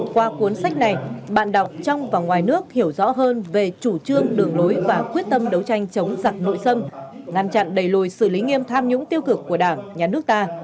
qua cuốn sách này bạn đọc trong và ngoài nước hiểu rõ hơn về chủ trương đường lối và quyết tâm đấu tranh chống giặc nội xâm ngăn chặn đẩy lùi xử lý nghiêm tham nhũng tiêu cực của đảng nhà nước ta